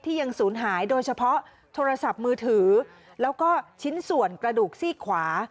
ยังศูนย์หายโดยเฉพาะโทรศัพท์มือถือแล้วก็ชิ้นส่วนกระดูกซี่ขวา